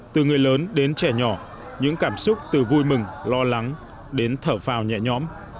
từ người lớn đến trẻ nhỏ những cảm xúc từ vui mừng lo lắng đến thở phào nhẹ nhõm